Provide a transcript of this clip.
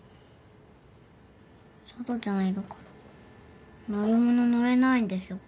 さとちゃんいるから乗り物乗れないんでしょ。